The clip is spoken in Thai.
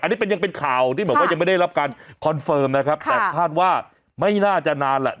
อันนี้เป็นยังเป็นข่าวที่บอกว่ายังไม่ได้รับการคอนเฟิร์มนะครับแต่คาดว่าไม่น่าจะนานแหละ